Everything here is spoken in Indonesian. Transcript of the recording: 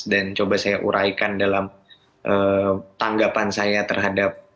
dan coba saya uraikan dalam tanggapan saya terhadap